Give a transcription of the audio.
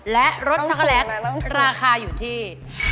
และรสช็อกโกแลตราคาอยู่ที่